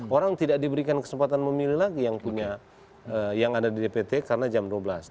orang tidak diberikan kesempatan memilih lagi yang punya yang ada di dpt karena jam dua belas